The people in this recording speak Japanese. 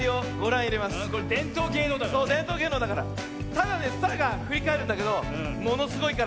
ただねスターがふりかえるんだけどものすごいからね。